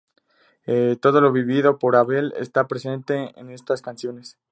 Todo lo vivido por Abel está presente en estas canciones.